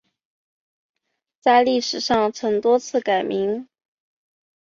在历史上曾多次改名。